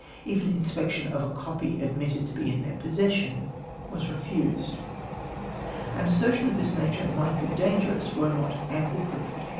Even inspection of a copy admitted to he in their p>ossession was refused. An assertion of this nature mig lit be dang; erous were not ample proof at hand.